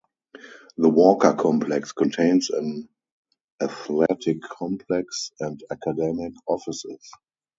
The Walker Complex contains an athletic complex and academic offices.